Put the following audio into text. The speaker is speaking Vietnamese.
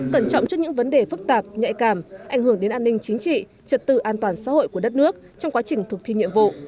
cẩn trọng trước những vấn đề phức tạp nhạy cảm ảnh hưởng đến an ninh chính trị trật tự an toàn xã hội của đất nước trong quá trình thực thi nhiệm vụ